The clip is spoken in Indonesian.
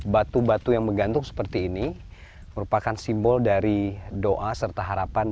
batu batu yang menggantung seperti ini merupakan simbol dari doa serta harapan